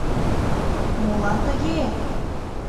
— Молан тыге?